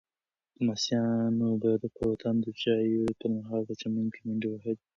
لمسیانو به په وطن کې د چایو پر مهال په چمن کې منډې وهلې.